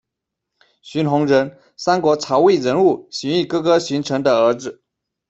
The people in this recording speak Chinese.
荀闳人，三国曹魏人物，荀彧哥哥荀谌的儿子。